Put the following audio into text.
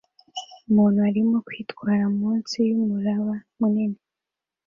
Umuntu arimo kwitwara munsi yumuraba munini